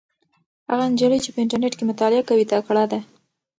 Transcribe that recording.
هغه نجلۍ چې په انټرنيټ کې مطالعه کوي تکړه ده.